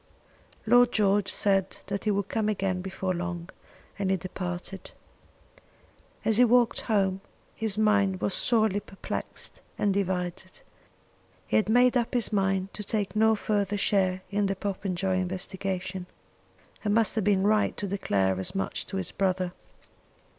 Lord George said that he would come again before long, and then departed. As he walked home his mind was sorely perplexed and divided. He had made up his mind to take no further share in the Popenjoy investigation, and must have been right to declare as much to his brother.